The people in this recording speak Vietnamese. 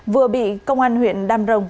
vừa bị công an huyện đam rồng